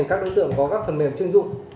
các đối tượng có các phần mềm chuyên dụng